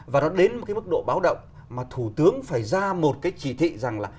và nó đến một cái mức độ báo động mà thủ tướng phải ra một cái chỉ thị rằng là